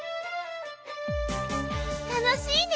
たのしいね！